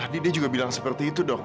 dia juga bilang begitu dok